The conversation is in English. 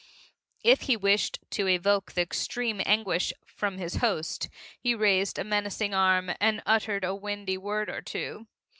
If he wished to evoke the extreme of anguish from his host, he raised a menacing arm and uttered a windy word or two.